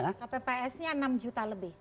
kpps nya enam juta lebih